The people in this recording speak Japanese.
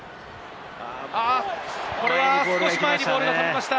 これは少し前にボールが飛びました。